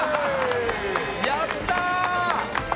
やったー